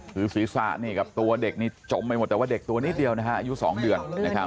คือศีรษะนี่กับตัวเด็กนี่จมไปหมดแต่ว่าเด็กตัวนิดเดียวนะฮะอายุ๒เดือน